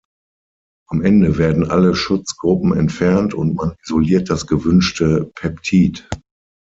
Am Ende werden alle Schutzgruppen entfernt und man isoliert das gewünschte Peptid.